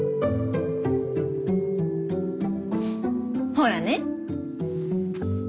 ほらね。